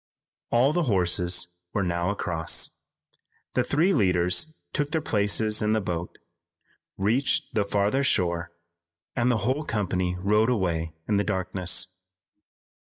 All the horses were now across. The three leaders took their places in the boat, reached the farther shore and the whole company rode away in the darkness.